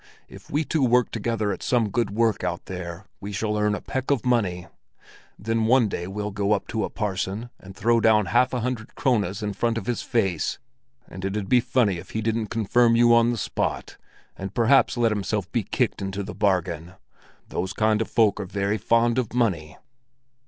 If we two work together at some good work out there, we shall earn a peck of money. Then one day we'll go up to a parson, and throw down half a hundred krones in front of his face, and it 'u'd be funny if he didn't confirm you on the spot—and perhaps let himself be kicked into the bargain. Those kind of folk are very fond of money."